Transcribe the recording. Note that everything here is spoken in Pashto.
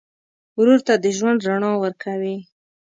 ورور ته د ژوند رڼا ورکوې.